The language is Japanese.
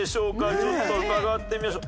ちょっと伺ってみましょう。